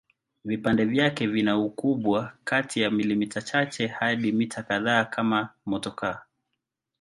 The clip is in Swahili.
Vipande vyake vina ukubwa kati ya milimita chache hadi mita kadhaa kama motokaa.